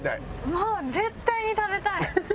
もう絶対に食べたい！